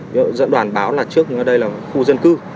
ví dụ dẫn đoàn báo là trước đây là khu dân cư